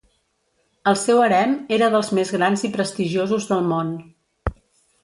El seu harem era dels més grans i prestigiosos del món.